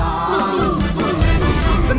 ร้องได้ให้ร้อง